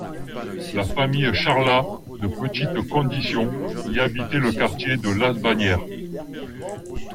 La famille Charlas, de petite condition, y habitait le quartier de Las Bagnères.